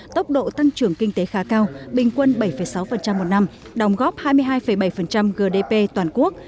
tốc độ tăng trưởng kinh tế khá cao bình quân bảy sáu một năm đồng góp hai mươi hai bảy gdp toàn quốc